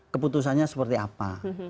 keputusannya seperti apa